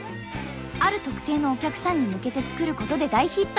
ある特定のお客さんに向けて作ることで大ヒット！